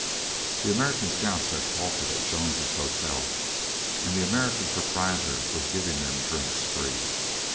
The American scouts had halted at Jones's Hotel, and the American proprietor was giving them drinks free.